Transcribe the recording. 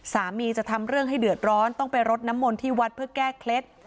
จะทำเรื่องให้เดือดร้อนต้องไปรดน้ำมนต์ที่วัดเพื่อแก้เคล็ด